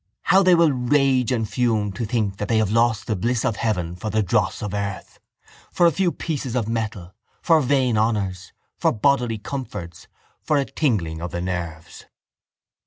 How they will rage and fume to think that they have lost the bliss of heaven for the dross of earth, for a few pieces of metal, for vain honours, for bodily comforts, for a tingling of the nerves.